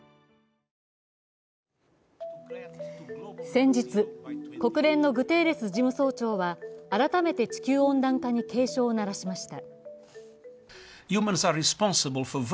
先日、国連のグテーレス事務総長は改めて地球温暖化に警鐘を鳴らしました。